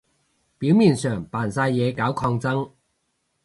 表面上扮晒嘢搞抗爭